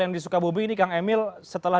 yang di sukabumi ini kang emil setelah